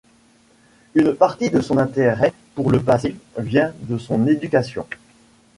Une partie de son intérêt pour le passé vient de son éducation.